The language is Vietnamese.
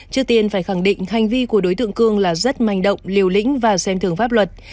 trước tiên phải khẳng định hành vi của đối tượng cương là rất manh động liều lĩnh và xem thường pháp luật